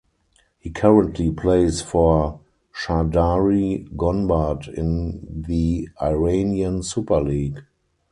He currently plays for Shahrdari Gonbad in the Iranian Super League.